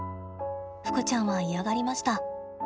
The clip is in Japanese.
ふくちゃんは、嫌がりました。